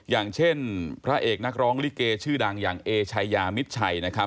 อย่างเช่นพระเอกนักร้องลิเกชื่อดังอย่างเอชายามิดชัย